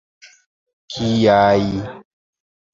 Kiaj!